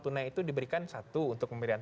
tunai itu diberikan satu untuk pemberian